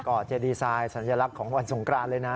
เจดีไซน์สัญลักษณ์ของวันสงกรานเลยนะ